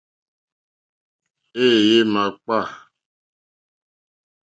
Éèyé é màkpá.